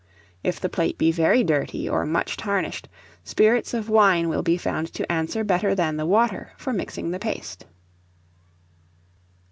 If the plate be very dirty, or much tarnished, spirits of wine will be found to answer better than the water for mixing the paste.